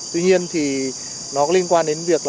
tuy nhiên thì nó liên quan đến việc